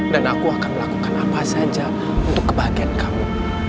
dan aku akan melakukan apa saja untuk kebahagiaan kamu